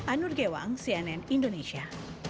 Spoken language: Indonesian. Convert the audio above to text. anur gewang cnn indonesia